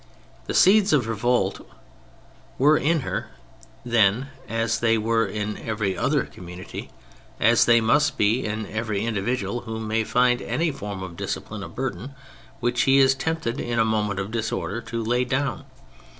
The seeds of revolt were in her then as they were in every other community; as they must be in every individual who may find any form of discipline a burden which he is tempted, in a moment of disorder, to lay down.